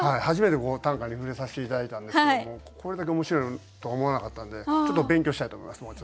初めてこう短歌に触れさせて頂いたんですけどもこれだけ面白いとは思わなかったんでちょっと勉強したいと思います。